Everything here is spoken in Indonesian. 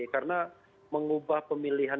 karena mengubah pemilihan